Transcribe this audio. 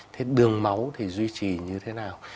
thế đường máu thì duy trì như thế nào